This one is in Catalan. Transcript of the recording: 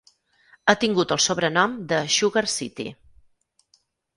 Ha tingut el sobrenom de "Sugar City".